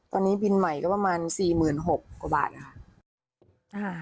ตอนนี้บินใหม่ก็ประมาณสี่หมื่นหกกว่าบาทนะฮะอ่า